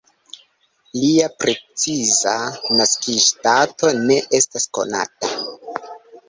Lia preciza naskiĝdato ne estas konata.